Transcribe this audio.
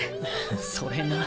それな。